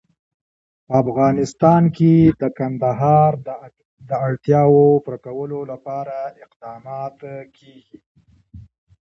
په افغانستان کې د کندهار د اړتیاوو پوره کولو لپاره اقدامات کېږي.